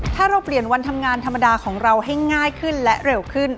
ถ้าเราเปลี่ยนวันทำงานธรรมดาของเราให้ง่ายขึ้นและเร็วขึ้น